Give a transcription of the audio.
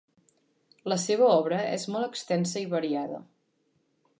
La seva obra és molt extensa i variada.